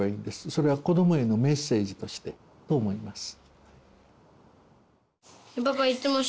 それは子どもへのメッセージとしてと思います。